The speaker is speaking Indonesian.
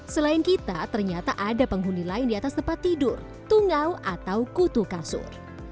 selain kita ternyata ada penghuni lain di atas tempat tidur tungau atau kutu kasur